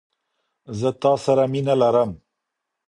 زه تاسره مینه لرم